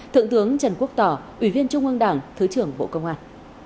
thượng tướng trần quốc tỏ ủy viên trung ương đảng thứ trưởng bộ công an